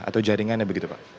atau jaringannya begitu pak